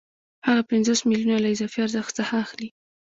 هغه پنځوس میلیونه له اضافي ارزښت څخه اخلي